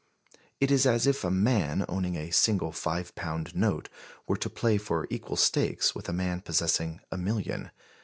It is as if a man owning a single five pound note were to play for equal stakes with a man possessing a million.